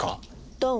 ドン。